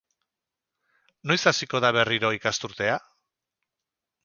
Noiz hasiko da berriro ikasturtea?